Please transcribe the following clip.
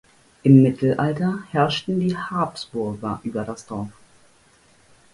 Im Mittelalter herrschten die Habsburger über das Dorf.